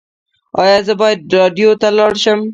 ایا زه باید راډیو ته لاړ شم؟